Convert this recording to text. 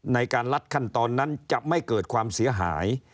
ในการลัดขั้นตอนนั้นจะไม่เกิดความเสียหาย